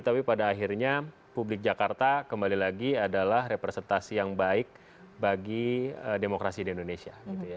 tapi pada akhirnya publik jakarta kembali lagi adalah representasi yang baik bagi demokrasi di indonesia